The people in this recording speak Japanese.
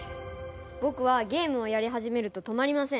僕はゲームをやり始めると止まりません。